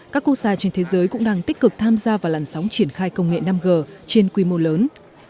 các quốc gia trên thế giới cũng đang tích cực tham gia vào làn sóng triển khai công nghệ năm g trên quy mô lớn